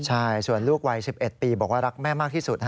ใช่ส่วนลูกวัย๑๑ปีบอกว่ารักแม่มากที่สุด